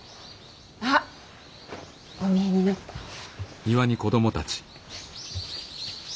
あっお見えになった。